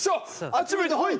あっち向いてホイ。